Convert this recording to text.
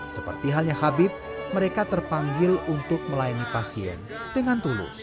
seperti halnya habib mereka terpanggil untuk melayani pasien dengan tulus